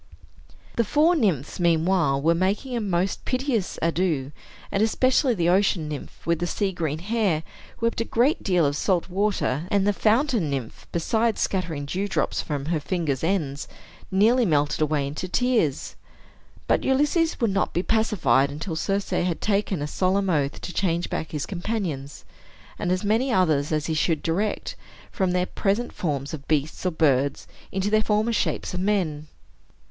The four nymphs, meanwhile, were making a most piteous ado; and especially the ocean nymph, with the sea green hair, wept a great deal of salt water, and the fountain nymph, besides scattering dewdrops from her fingers' ends, nearly melted away into tears. But Ulysses would not be pacified until Circe had taken a solemn oath to change back his companions, and as many others as he should direct, from their present forms of beast or bird into their former shapes of men.